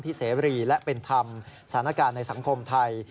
เสรีและเป็นธรรมสถานการณ์ในสังคมไทย